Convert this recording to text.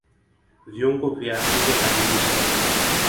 Viungo vya njeBadilisha